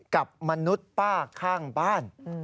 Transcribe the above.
กับมนุษย์ป้าข้างบ้าน